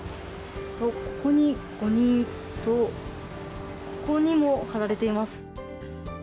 ここに５人とここにも貼られています。